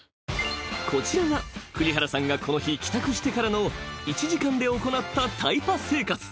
［こちらが栗原さんがこの日帰宅してからの１時間で行ったタイパ生活］